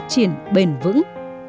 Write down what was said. chuyển bền vững